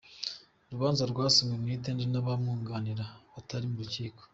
Urubanza rwasomwe Mwitende n’abamwunganira batari mu rukiko.